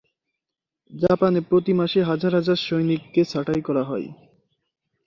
জাপানে প্রতি মাসে হাজার হাজার সৈনিককে ছাটাই করা হয়।